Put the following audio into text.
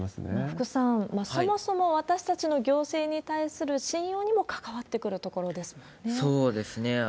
福さん、そもそも私たちの行政に対する信用にも関わってくるところですもそうですね。